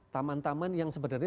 taman taman yang sebenarnya